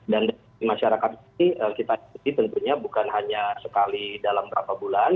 dan dari masyarakat ini kita di beli tentunya bukan hanya sekali dalam berapa bulan